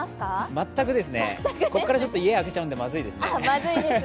全くですね、ここから家を空けちゃうのでまずいですね。